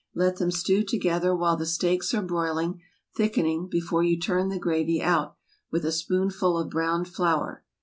Let them stew together while the steaks are broiling, thickening, before you turn the gravy out, with a spoonful of browned flour.